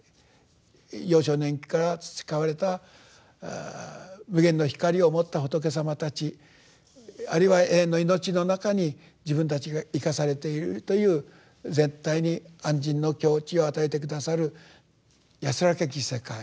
幼少年期から培われた無限の光を持った仏様たちあるいは永遠の命の中に自分たちが生かされているという絶対に安心の境地を与えて下さる安らかき世界。